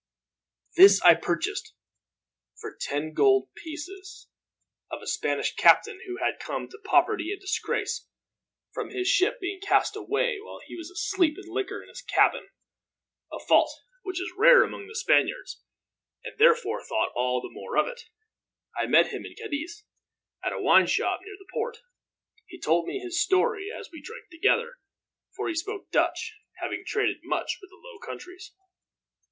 "This I purchased, for ten gold pieces, of a Spanish captain who had come to poverty and disgrace from his ship being cast away, while he was asleep in liquor, in his cabin a fault which is rare among the Spaniards, and therefore thought all the more of. I met him in Cadiz, at a wine shop near the port. He told me his story as we drank together, for he spoke Dutch, having traded much with the Low Countries.